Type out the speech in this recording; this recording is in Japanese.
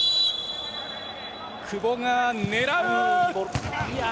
久保が狙う！